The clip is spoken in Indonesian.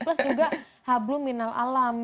plus juga hablu minal alam